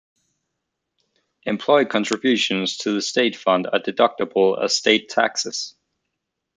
Employee contributions to the state fund are deductible as state taxes.